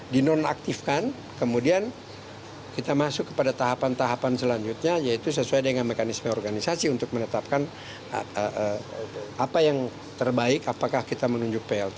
dan kemudian kita masuk kepada tahapan tahapan selanjutnya yaitu sesuai dengan mekanisme organisasi untuk menetapkan apa yang terbaik apakah kita menunjuk plt